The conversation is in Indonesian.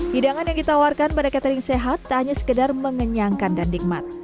hidangan yang ditawarkan pada catering sehat tak hanya sekedar mengenyangkan dan nikmat